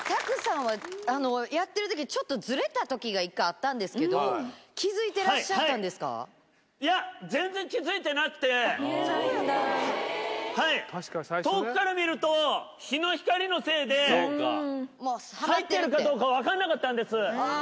はやってるとき、ちょっとずれたときが一回あったんですけど、いや、全然気付いてなくて、遠くから見ると、日の光のせいで入ってるかどうか分かんなかったんです。